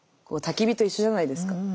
たき火と一緒じゃないですか。